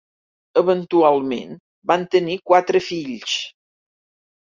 Eventualment van tenir quatre fills.